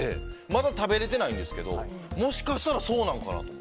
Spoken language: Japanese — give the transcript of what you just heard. まだ食べられてないんですけどもしかしたら、そうなんかなと。